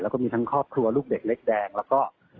แล้วก็มีทั้งครอบครัวลูกเด็กเล็กแดงแล้วก็